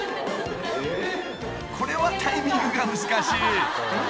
［これはタイミングが難しい］